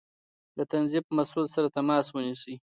له تنظيف مسؤل سره تماس ونيسئ